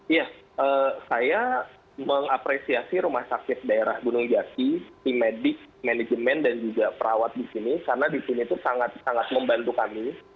iya saya mengapresiasi rumah sakit daerah gunung jaki tim medik manajemen dan juga perawat disini karena disini tuh sangat sangat membantu kami